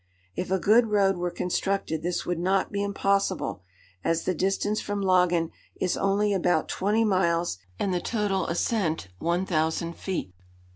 If a good road were constructed this would not be impossible, as the distance from Laggan is only about twenty miles, and the total ascent 1000 feet.